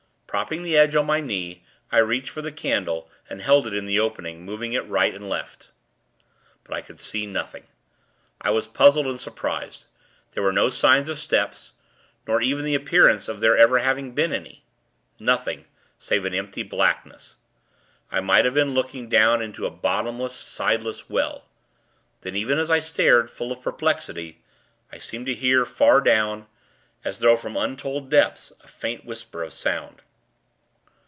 Propping the edge on my knee, I reached for the candle, and held it in the opening, moving it to right and left; but could see nothing. I was puzzled and surprised. There were no signs of steps, nor even the appearance of there ever having been any. Nothing; save an empty blackness. I might have been looking down into a bottomless, sideless well. Then, even as I stared, full of perplexity, I seemed to hear, far down, as though from untold depths, a faint whisper of sound.